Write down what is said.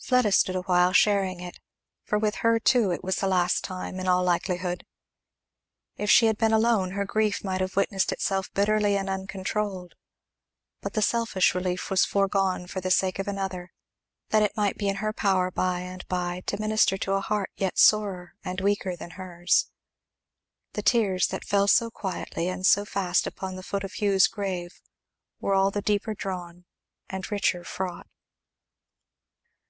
Fleda stood awhile sharing it, for with her too it was the last time, in all likelihood. If she had been alone, her grief might have witnessed itself bitterly and uncontrolled; but the selfish relief was foregone, for the sake of another, that it might be in her power by and by to minister to a heart yet sorer and weaker than hers. The tears that fell so quietly and so fast upon the foot of Hugh's grave were all the deeper drawn and richer fraught.